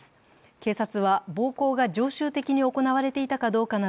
警察は暴行が常習的に行われていたかどうかなど